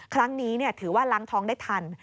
ครั้งนี้ถือว่าล้างท้องได้ทัน